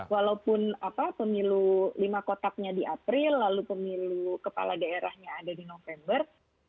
walaupun pemilu lima kotaknya di april lalu pemilu kepala daerahnya ada di november